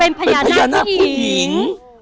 เป็นพญานาคผู้หญิง